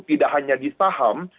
tidak hanya di saham